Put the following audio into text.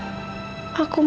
pokoknya ambius itu